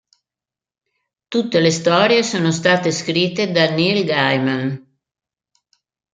Tutte le storie sono state scritte da Neil Gaiman.